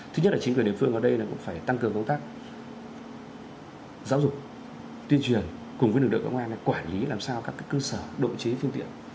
công tác giáo dục tuyên truyền cùng với lực lượng công an quản lý làm sao các cơ sở đội chế phương tiện